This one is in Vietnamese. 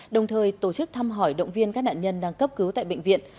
đồng thời tổ chức thăm hỏi động viên các nạn nhân đang cấp cứu tại bệnh viện